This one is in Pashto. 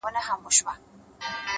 سپوږمۍ ته گوره زه پر بام ولاړه يمه”